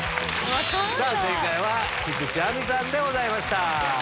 正解は菊地亜美さんでございました。